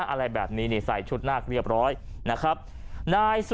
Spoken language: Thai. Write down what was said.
อะไรแบบนี้เนี้ยใส่ชุดน่าเกลียบพร้อมนะครับนายสุฯ